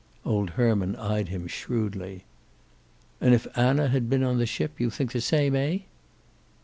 Old Herman eyed him shrewdly. "And if Anna had been on the ship, you think the same, eh?"